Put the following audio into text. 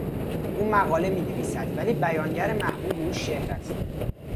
او مقاله مینویسند ولی بیانگر محبوب او شعر است.